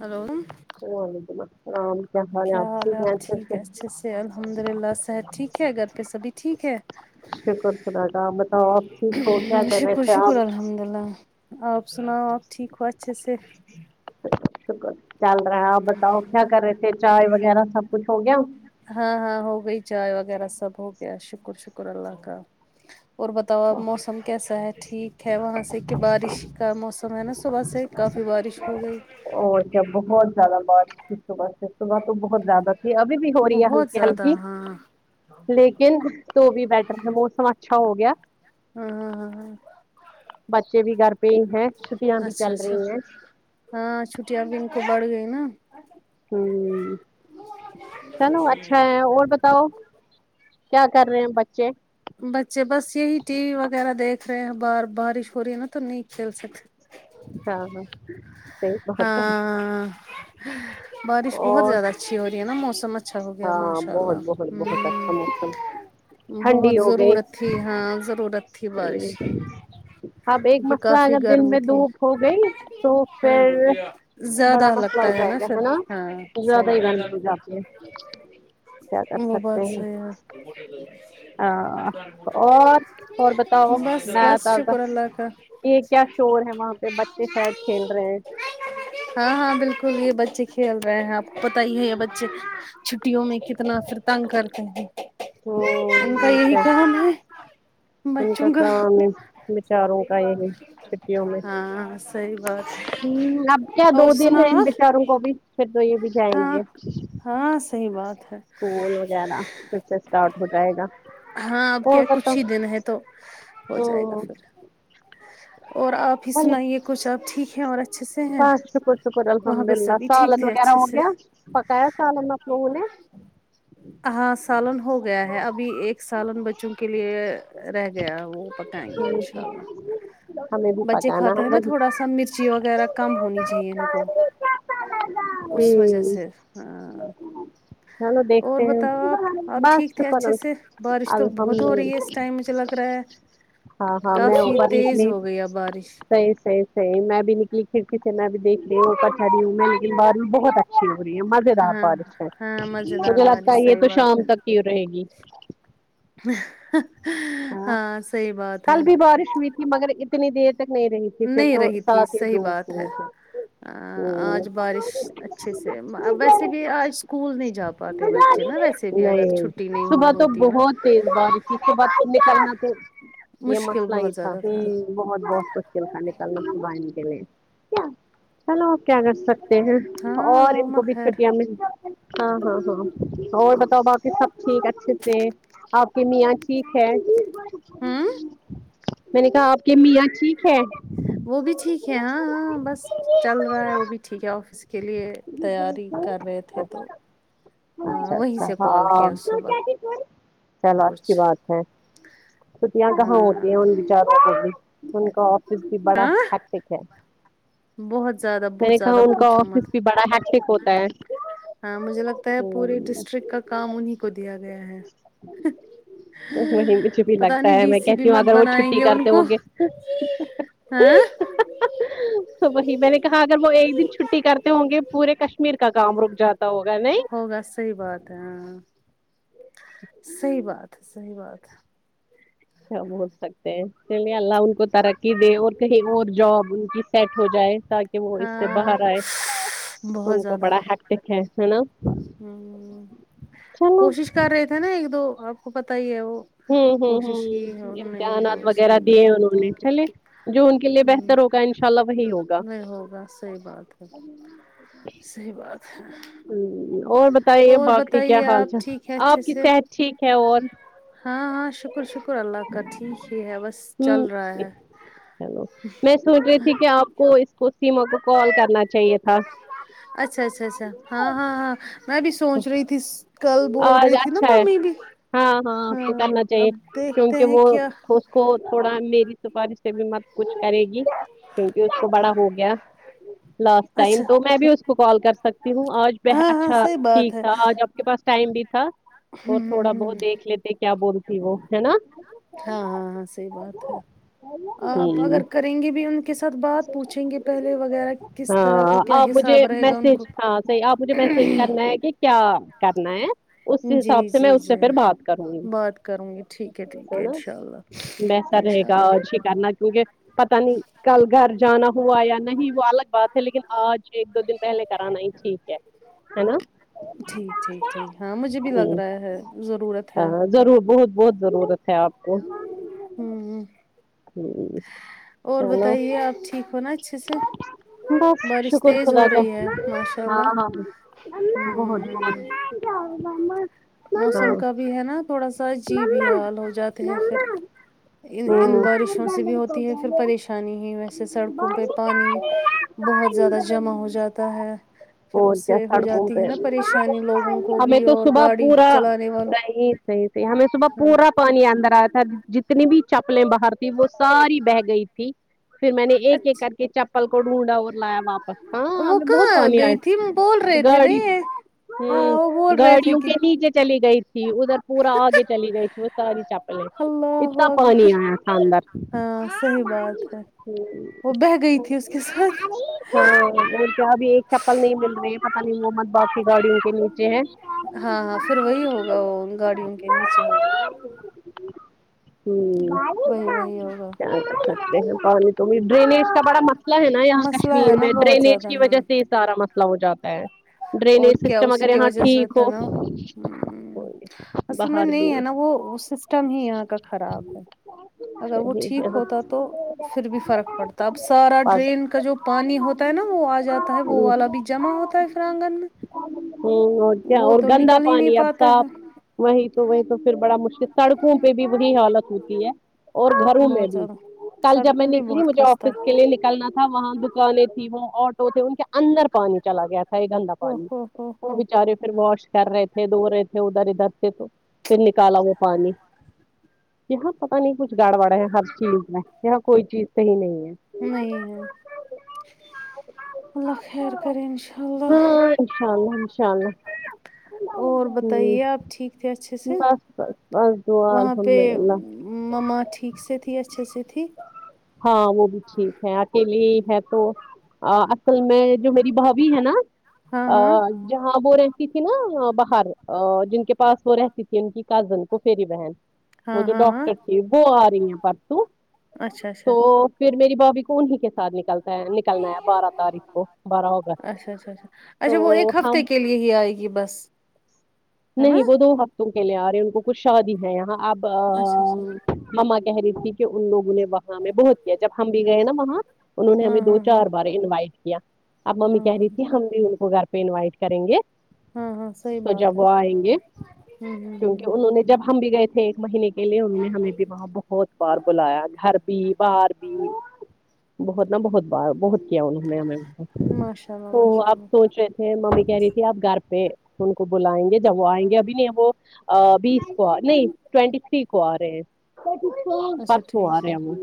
Hello کیا حال ہے آپ ٹھیک ہے اچھے سے ہے الحمد للہ صحت ٹھیک ہے گھر پہ سبھی ٹھیک ہے شکر خدا کا مطلب آپ ٹھیک ہو کیا کر رہے شکر تھے آپ شکر الحمد للہ آپ سناؤ آپ ٹھیک ہو اچھے سے شکر چل رہا ہے آپ بتاؤ کیا کر رہے تھے چائے وغیرہ سب کچھ ہو گیا ہاں ہاں ہو گئی چائے وغیرہ سب ہو گیا شکر شکر اللہ کا اور بتاو آپ موسم ہم کیسا ہیں ٹھیک ہے وہاں سے کہ بارش کا موسم ہے نا صبح سے کافی بارش ہو گئی اور بہت زیادہ بات تھی صبح سے صبح تو بہت زیادہ جی ابھی بھی ہو رہی ہے بہت ہلکی زیادہ ہلکی ہاں لیکن تو بھی بیٹر ہے موسم اچھا ہو گیا ہاں ہاں آ بچے بھی گھر پے ہی ہے چھٹیاں بھی اچھا چل اچھا رہی ہیں ہاں چھٹٹیاں بھی ان کو بڑھ گئی نا امم چلو اچھا ہے اور بتاؤ کیا کر رہے ہیں بچے بچے بس یہی ٹی وی وغیرہ دیکھ رہے ہیں بار بارش ہو رہی ہے نا تو نہیں کھیل سکتے ہاں ہاں صحیح بات ہے ہاں آ بارش بہت اور زیادہ اچھی ہو رہی ہے نا موسم اچھا ہو گیا ہاں ماشاء بہت اللہ بہت بہت اچھا موسم ہمم بہت ٹھنڈی ہو گئی ضرورت تھی ہاں ضرورت تھی بارش ہوں، کی اب ایک کیونکہ مسئلہ کافی اگر دن گرمی میں تھی دھوپ ہو گئی تو ہاں پھر زیادہ بڑا مسئلہ لگتا ہو ہے جائے نا گا پھر ہاں زیادہ ہی صحیح گرمی ہو جاتی ہے کیا کر وہ بات سکتے ہیں صحیح ہے آپکی ہاں اور اور بتاؤ بس میں بس تتا شکر اللہ کا یہ کیا شور ہے وہاں پہ بچے شاید کھیل رہے ہیں ہاں ہاں بالکل یہ بچے کھیل رہے ہیں آپ کو پت ہی ہے بچے چھٹیوں میں کتنا فر تنگ کرتے ہیں ان کا تو یہی کیا کام ہے ان کا بچوں گا کام ہے بچاروں کا یہی چھٹیوں میں [unintelligible] ہاں صحیح بات ہے ہ اب کیا دو اور دن سنا ہے ان آپ بیچاروں کو بھی پھر تو یہ بھی جائیں ہاں گے ہاں صحیح بات ہے اسکول وغیرہ پھر سے اسٹارٹ ہو جائے گا ہاں آپ اور کیا بتاؤ کچھ ہی دن ہے تو ہو جائے گا ہوں پھر اور آپ پھر سناائی یہ کچھ آب ٹھیک ہے اور اچا بست شکر شکر الحمد للہ سبھی ٹھیک سالن تھے وغیرہ اچھے ہو سے گیا پکایا سالن آپ لوگوں نے ہاں سالن ہو گیا ہے ابھی ایک سالن بچوں کے لیے رہ گیا وہ پکائیں گے ان ہوں، شاء اللہ ہوں، ہمیں بھی بچے پکانا کھاتے ہے ہیں نا تھوڑا سا مرچی وغیرہ کم ہونی چاہیے ان کو اس وہی وجہ ہوں سے ہاں چلو اور دیکھتے ہیں بتاؤ آپ آپ بس ٹھیک تھے شکر اچھے ال- سے بارش تو بہت الحمد ہو رہی ہے للہ اس ٹائم مجھے لگ رہا ہے ہاں ہاں میں اوپر لکھنی ریش صحیح صحیح صحیح میں بھی نکلی کھڑی سے میں بھی دیکھ لی اپپرقہڈی ہوں میں لیکن باریش بھی بہت اچھی ہو رہی ہے مزے دار ہاں بارش ہے ہاں مزیدار مجھے لگتا بارش ہے یہ صحیح تو بات شام ہے تک کی رہے گی ہاں صحیح بات ہے کل بھی بارش ہوئی تھی مگر اتنی دیر تک نہیں رہی تھی پھر نہیں تو رہی تھی سڑ صحیح دوست بات ہوئے ہے تھے ہاں ہوں آج بارش اچھے سے ویسے بھی آج اسکول نہیں جا پاتے بچے نا ویسے بھی اگر نہیں چھٹی نہیں ہوئی صبح تو ہوتی نا بہت تیز بار تھی بہت نکلنا تھا یہ مشکل مسئلہ ہی بہت تھا زیادہ کی بہت بہت نکلنا نکلنا بھگوان کے لیے چلو آپ کیا کر سکتے تے ہے ہاں اور ان اللہم کو بھی خیر چھٹیاں ملتی ہاں ہاں ہاں اور بتاؤ باقی سب ٹھیک اچھے سے ہے آپ کے میاں ٹھیک ہے ہوں میں نے کہا آپ کے میاں ٹھیک ہے وہ بھی ٹھیک ہے ہاں ہاں بس چل رہا ہے وہ بھی ٹھیک ہے آفس کے لیے تیاری کر رہے تھے تو ہاں اچھا وہیں اچھا سے کال ہاں کیا صبح چلو کچھ اچھی بات ہے چٹیاں کہاں ہوتی ہیں ہاں ان بچاروں سے بھی ان کا اس کی بڑا ہاں ہٹک ہے بہت زیادہ میں بہت نے کہا زیادہ ان کا پوچھو مت آفس بھی بڑا ہیکٹیک ہوتا ہے ہاں مجھے لگتا ہے پورے ہوں ڈسٹرکٹ کا کام انیں کو دیا گیا ہے وہ مجھے بھی پتا لگتا نہیں ہے ڈی میں سی بی کہتی ہوں مت اگر وہ بنائیں چھٹی گے ان کرتے کو ہوگے ہاں تو وہی میں نے کہا اگر وہ ایک دن چھٹی کرتے ہوں گے پورے کشمیر کا کام رک جاتا ہوگا نہیں ہوگا صحیح بات ہے ہاں صحیح بات ہے صحیح بات ہے کیا بول سکتے ہیں چلیے اللہ ان کو ترقی دے اور کہیں اور جاب ان کی سیٹ ہو جائے تاکہ کہ وہ اس سے ہاں باہر آئے بہت ان کو زیادہ بڑا ہیکٹک ایک ہے نا ہوں چلو کوشش کر رہے تھے نا ایک دو آپ کو پتا ہی ہے وہ امم امم کوشش کی ہاں ہے انہوں نے ایک دو امتحانات اس میں وغیرہ دیے انہوں نے کیونکہ چلے جو ان کے لیے بہتر ہوگا ان شاء اللہ وہی ہوگا بس صحیح بات ہے صحیح بات ہے امم اور بتائیے اور باقی کیا بتائیے حال آپ چال ٹھیک ہے اچھے آپ کی سے صحت ٹھیک ہے اور ہاں ہاں شکر شکر اللہ کا ٹھیک ہی ہے بس چل ہ رہا ہے چلو میں سوچ رہی تھی کہ آپ کو اس کو سیما کو کال کرنا چاہیے تھا اچھا اچھا اچھا ہاں ہاں ہاں میں بھی سوچ رہی تھی کل بول آج رہی تھی نا اچھا ہے ممی بھی ہاں ہاں آپ کو کرنا چاہیے اب دیکھتے کیونکہ ہیں وہ کیا کو تھوڑا میری سپاری سے بھی مت کچھ کرے گی کیونکہ اس کو بڑا ہو گیا لاسٹ ٹائم اچھا تو میں بھی اس کو کال کر سکتی ہوں آج ہاں ہاں اچھا صحیح بات ٹھیک ہے تھا آج کے پاس ٹائم بھی تھا اور ہ تھوڑا بہت دیکھ لیتے کیا بولتی وہ ہے نا ہاں ہاں ہاں صحیح بات ہے آپ ہوں اگر کریں گے بھی ان کے ساتھ بات پوچھیں گے پہلے وغیرہ کس طرح کا ہاں کیا آپ مجھے حساب رہے گا ان کو میسج ہاں صحیح آپ مجھے میسج کرنا ہے کہ کیا کرنا ہے اس جی حساب سے میں جی اس جی سے پھر بات کروں گی بات کروں گی ٹھیک ٹھیک ہے نا انشاء اللہ بہتر رہے انشاء گا اور اللہ شیکارنہ کرنا کیونکہ پتہ نہیں کل گھر جانا ہوا یا نہیں ہوا الگ بات ہے لیکن آج ایک دو دن پہلے کرانا ہی ٹھیک ہے ہے نا ٹھیک ٹھیک ٹھیک ہاں مجھے بھی لگ رہا ہے ضرورت ہے ہاں ضرور بہت بہت ضرورت ہے آپ کو امم امم ہ اور چلو بتائیے نہ آپ ٹھیک ہو نا اچھے سے بس بارش شکر تیز خدا ہو کا رہی ہے ماشاء ہاں اللہ بہت بہت ہوں مت جاو مما موسم کا بھی ہے نا تھوڑا سا جی بھی حال ہو جاتے ہیں پھر ان ان بارشوں سے بھی ہوتی ہے پھر پریشانی ہی ویسے سڑکوں پہ پانی بہت زیادہ جمع ہو جاتا ہے پھر اور اس کیا سے ہو سڑکوں جاتی پہ ہے نا پریشانی لوگوں کو ہمیں بھی تو اور صبح گاڑی پورا چلانے والوں صحیح صحیح صحیح ہمیں صبح ہاں پورا پانی اندر آیا تھا جتنی بھی چپلیں باہر تھی وہ ساری بہہ گئی تھی پھر میں نے ایک ایک اچھا کر کے چیپل کو ڈھونڈا اور لایا واپس ہاں ہم وہ میں بہت کہاں پانی گئی آئے تھی بول رہے تھے نا گاڑی یہ ہاں امم وہ بول رہے تھے گاڑیوں کہ کے نیچے چلی گئی تھی ادھر پورا اگے چلی گئی تھی وہ ساری چپلیں اللہ اتنا پانی اکبر آیا تھا اندر ہاں صحیح بات ہے امم وہ بہہ گئی تھی اس کے ساتھ ہاں اور کیا ا بھی ایک چپل نہیں مل رہی ہے پتہ نہیں محمد باپ کی گاڑیوں کے نیچے ہے ہاں ہاں پھر وہی ہوگا وہ ان گاڑیوں کے نیچے ہوگی امم وہی وہی ہوگا سکتے ہیں پانی تو بھی ڈرینیج کا بڑا مسئلہ ہے نا یہاں مسئلہ ہے کشمیر نا میں بہت ڈرینیج زیادہ کی وجہ ہاں سے سارا مسئلہ ہو جاتا ہے اور ڈرینیج کیا سسٹم اسی اگر کی یہاں وجہ سے ٹھیک ہوتا ہو نا اصل میں باہر بھی نہیں ہے نا وہ سسٹم ہی یہاں کا خراب ہے اگر وہ صحیح ٹھیک ہے ہوتا تو پھر بھی فرق پڑتا اب سارا پڑھ ڈرین کا جو پانی ہوتا ہے نا وہ آ جاتا ہے وہ والا بھی جمع ہوتا ہے فراننگن میں امم اور کیا وہ اور تو گندا نکل ہی نہیں پانی اب پاتا ہے صاف وہی تو وہی تو پھر بڑا مشکل سڑکوں پہ بھی وہی حالت ہوتی ہے اور گھروں میں بہت بھی زیادہ کل جب سڑکوں میں بھی نکلی بہت مجھے خستہ آفس کے لیے نکلنا تھا وہاں دکانیں تھیں وہ آٹو تھے ان کے اندر پانی چلا گیا تھا ہے گندہ او پانی ہو ہو وہ ہو بچارے پھر واش کر رہے تھے دھو رہے تھے ادھر ادھر سے تو پھر نکالا وہ پانی یہاں پتہ نہیں کچھ گاڑ واڑ ہے ہر چیز ہے یہاں کوئی چیز صحیح نہیں ہے نہیں ہے اللہ خیر کرے انشاء اللہ ہاں انشاء اللہ انشاء اور اللہ امم بتائیے آپ ٹھیک تھے اچھے سے بس بس بس دعا ہے وہاں پہ الحمد اللہ مما ٹھیک سےتھی اچھے سے تھی ہاں وہ بھی ٹھیک ہے اکیلے ہی ہے تو آ اصل میں جو میری بھابھی ہے نا ہاں ہاں جہاں وہ رہتی کتنا باہر آ جن کے پاس وہ رہتی تھی ان کی کزن پھوپھیری بہن وہ ہاں جو ہاں ہاں ڈاکٹر تھی وہ آ رہی ہیں پرسو اچھا اچھا تو پھر میری بھابھی کو انہیں کے ساتھ نکلتا نکلنا ہے بارہ تاریخ کو بارہ اگست تو ہم یہی آںی یہ بس ہے نا نہیں وہ دو ہفتوں کے لیے آ رہے ان کو کچھ شادی ہے یہاں اب اچھا اچھا ما ما کہہ رہی تھی کہ ان لوگوں نے وہاں میں بہت کیا جب ہم بھی گئے نا وہاں انہوں نے ہاں ہمیں دو ہاں ہاں چار بار انوائٹ کیا اب ہاں ممی کہہ ہاں رہی تھی ہم بھی ان کو گھر پہ انوائٹ کریں گے ہاں ہاں صحیح تو بات ہے جب وہ آئیں گے ہوں ہوں کیونکہ ہوں انہوں ہوں نے جب ہم بھی گئے تھے ایک مہینے کے لیے ان نے ہمیں بھی بت بہت بار بلایا گھر بھی باہر بھی بہت نا بہت بار بہت کیا انہوں نے ہمیں کو ماشاء اللہ تو ماشاء آپ اللہ سوچ رہے تھے ممی کہہ رہی تھی آپ گھر پہ ان کو بائیں گے جب وہ آئیں گے ابھی نہیں وہ بیس کو نہیں ٹوینٹی تھری کو آ رہے ہیں اچھا پررسوں آ ٹھیک ہے رہے وہ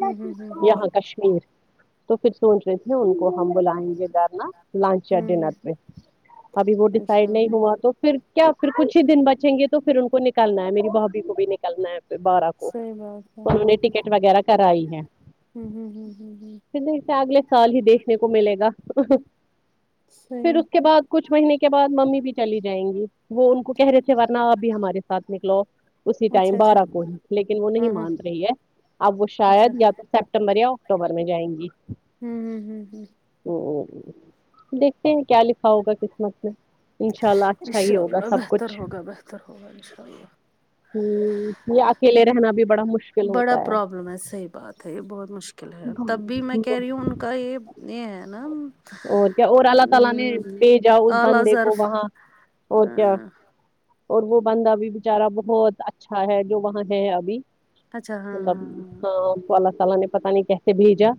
ہوں ہوں ہوں ہوں یہاں کشمیر تو پھر سوچ رہے تھے ان کو ہم بلائیں گے گھر نا لنچ یہ ہوں ڈینر پہ ابھی وہ اچھا ڈسائڈ نہیں ہوا تو پھر کیا پھر کچھ ہی دن بچیں گے تو پھر ان کو نکالنا ہے میری بھابھی کو بھی نکلنا ہے بارہ کو صحیح بات ہے ہوں انہوں نے ٹکٹ وغیرہ کرائی ہے ہوں ہوں ہوں ہوں اسے اگلے سال ہی دیکھنے کو ملے گا پھر صحیح اس کے بعد کچھ مہینے کے بعد ممی بھی چلی جائیں گی وہ ان کو کہہ رہے تھے ورنہ آپ بھی ہمارے ساتھ نکلو اسی ٹائم اچھا اچھا بارہ کو ہی لیکن وہ نہیں ہاں ہاں مان رہی ہے اب وہ اچھا شاید یا تو سپٹمبر یا اکتوبر میں جائیں گی ہوں ہوں ہوں ہوں دیکھتے ہیں کیا لکھا ہوگا قسمت میں انشاء اللہ اچھا ہی انشاء ہوگا اللہ سب بہتر کچھ ہوگا بہتر ہوگا انشاء اللہ ہوں یہ اکیلے رہنا بھی بڑا مش بڑا پرابلم ہے صحیح بات ہے یہ بہت مشکل ہے تب بھی میں کہہ رہی ہوں ان کا یہ یہ ہے نا اور کیا اور اللہ تعالی نے ام، بھیجا اس اعلی بندے کو ظرف وہاں اور کیا ہاں اور وہ بندہ بھی بچارا بہت اچھا ہے جو وہاں ہے ابھی اچھا ہاں ہاں اللہ ہاں ہوں، ہاں اللہ تعالی نے پتہ نہیں کیسے بھیجا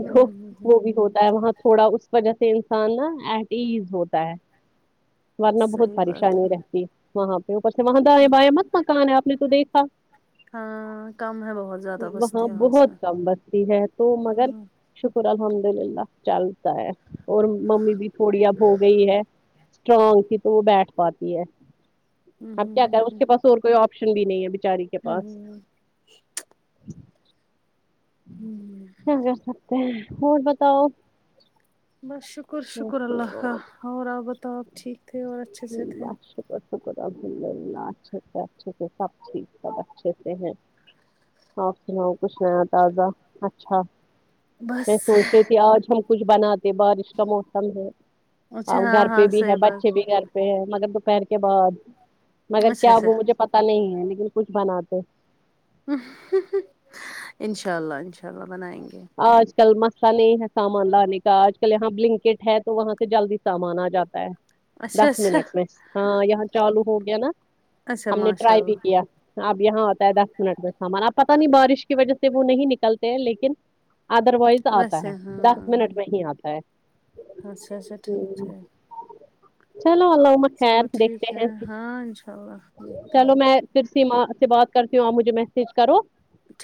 ہوں، ہوں، ہوں، وہ بھی ہوتا ہے وہاں تھوڑا اس وجہ سے انسان نا ایٹ ایز ہوتا ہے ورنہ بہت صحیح بات پریشانی رہتی ہے وہاں پہ اوپر سے وہاں دائیں بایں مت مکان ہے آپ نے تو دیکھا ہاں کم ہے بہت زیادہ بستی وہاں یہاں بہت سے ہوں کم بستی ہے تو مگر ہوں، شکر الحمد للہ چلتا ہے اور ممی بھی تھوڑی اب ہوگئی ہے اسٹرانگ تھی تو وہ بیٹھ پاتی ہے ہوں، اب کیا ہوں، کریں اس ہوں، کے پاس اور کوئی آپ شن بھی نہیں ہے بچاری کے ہوں، پاس ہوں، ہوں۔ کیا کر سکتے ہیں اور بتاؤ بس شکر اور شکر اللہ سناؤ کا اور آپ بتاؤ آپ ٹھیک تھے اور اچھے سے تھے اللہ شکر شکر الحمد للہ اچھے سے اچھے سے سب ٹھیک سب اچھے سے ہے اور سناؤ کچھ نیا تازہ اچھا بس میں سوچ رہی تھی آج ہم کچھ بناتے بارش کا موسم ہے اچھا اور ہاں گھر پہ ہاں بھی ہے صحیح بچے بھی بات گھر پ پہ ہے مگر دوپہر کے بعد مگر اچھا کیا اچھا وہ مجھے پتا نہیں ہے لیکن کچھ بناتے انشاء اللہ انشاء اللہ بنائیں گے آج کل مسئلہ نہیں ہے سامان لانے کا آج کل یہاں بلنک اٹ ہے تو وہاں سے جلدی سامان آجاتا ہے اچھا دس اچھا منٹ میں ہاں یہاں چالو ہو گیا ناں اچھا ہم نے ماشاء ٹرائی بھی اللہ کیا اب یہاں آتا ہے دس منٹ کا سامان اب پتہ نہیں بارش کی وجہ سے وہ نہیں نکلتے ہیں لیکن ادر وائز آتا ویسے ہے دس ہاں منٹ میں ہی آتا ہے اچھا اچھا ٹھیک ہے چلو اللہ چلو ٹھیک ہے ہاں انشاء اللہ دیکھتے چلو ہیں میں پھر سیما سے بات کرتی ہوں آپ مجھے میسج کرو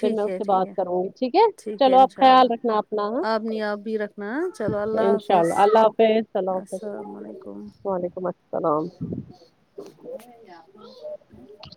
پھر میں اس ہے سے ٹھیک ہے بات کروں گی ٹھیک ہے ہے چلو اب انشاء خیال اللہ رکھنا اپنا آپ نہیں آپ بھی رکھنا چلو اللہ انشاء حافظ اللہ اللہ حافظ اللہ السلام حافظ علیکم وعلیکم السلام [unintelligible]